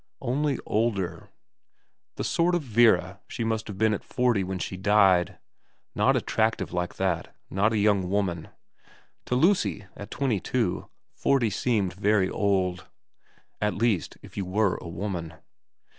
Only older ; the sort of Vera she must have been at forty when she died, not attractive like that, not a young woman. To Lucy at twenty two, forty seemed very old ; at least, if you were a woman.